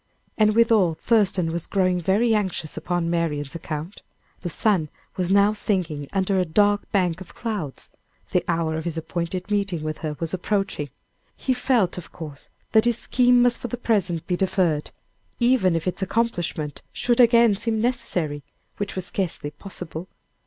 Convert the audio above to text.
And withal Thurston was growing very anxious upon Marian's account. The sun was now sinking under a dark bank of clouds. The hour of his appointed meeting with her was approaching. He felt, of course, that his scheme must for the present be deferred even if its accomplishment should again seem necessary, which was scarcely possible.